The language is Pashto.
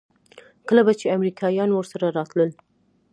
کله به چې امريکايان ورسره راتلل.